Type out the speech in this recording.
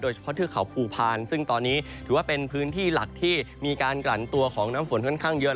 เทือกเขาภูพาลซึ่งตอนนี้ถือว่าเป็นพื้นที่หลักที่มีการกลั่นตัวของน้ำฝนค่อนข้างเยอะ